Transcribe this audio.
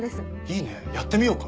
いいねやってみようか。